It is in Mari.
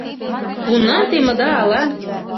Кунам темыда ала?